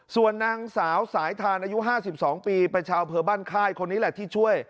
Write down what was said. ส่วนนางสาวสายทานอายุ๕๒ปีเป็นชาวอำเภอบ้านค่ายคนนี้แหละที่ช่วย